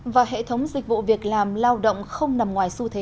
và hệ thống dịch vụ việc làm lao động không nằm ngoài xu thế